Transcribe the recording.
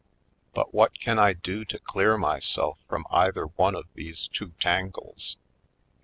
But what can I do to clear myself from either one of these two tangles?